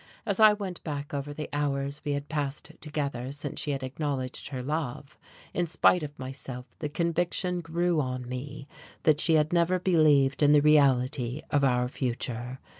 As I went back over the hours we had passed together since she had acknowledged her love, in spite of myself the conviction grew on me that she had never believed in the reality of our future.